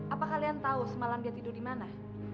apa kalian tahu semalam dia tidur di mana